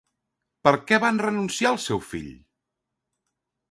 Per què van renunciar al seu fill?